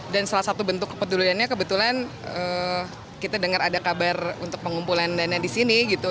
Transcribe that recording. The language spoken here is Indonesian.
dan salah satu bentuk kepeduliannya kebetulan kita dengar ada kabar untuk pengumpulan dana disini gitu